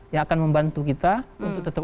yang akan membantu kita untuk tetap